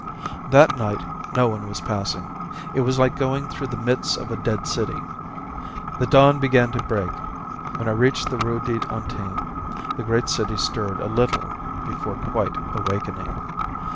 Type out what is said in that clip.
That night no one was passing; it was like going through the midst of a dead city. The dawn began to break. When I reached the Rue d'Antin the great city stirred a little before quite awakening.